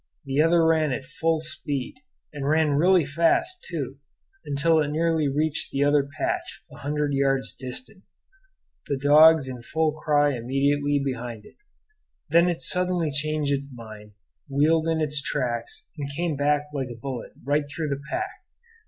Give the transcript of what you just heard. The other ran at full speed and ran really fast, too until it nearly reached the other patch, a hundred yards distant, the dogs in full cry immediately behind it. Then it suddenly changed its mind, wheeled in its tracks, and came back like a bullet right through the pack.